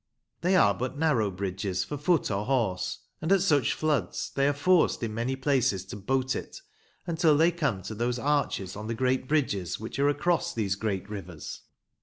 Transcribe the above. They are but narrow bridges, for foot or horse, and at such floods they are forced in many places to boat it, until they come to those arches on the great bridges which are across these great rivers.